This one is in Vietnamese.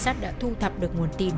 các trinh sát đã thu thập được nguồn tin